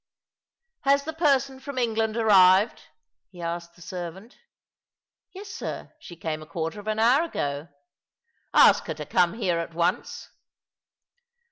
"Has the person from England arrived?" he asked the servant. " Yes, sir. She came a quarter of an hour ago." " Ask her to come here at once."